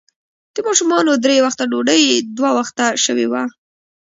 د ماشومانو درې وخته ډوډۍ، دوه وخته شوې وه.